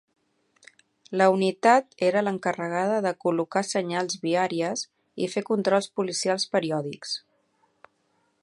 La unitat era l'encarregada de col·locar senyals viàries i fer controls policials periòdics.